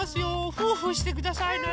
ふふしてくださいね。